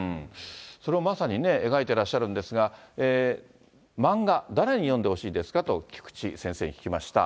それをまさにね、描いてらっしゃるんですが、漫画、誰に読んでほしいですかと菊池先生に聞きました。